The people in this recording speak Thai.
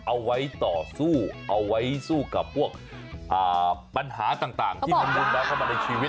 เอาไว้ต่อสู้เอาไว้สู้กับพวกปัญหาต่างของมุนบาดของเราในชีวิต